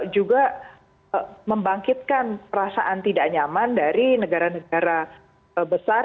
juga membangkitkan perasaan tidak nyaman dari negara negara besar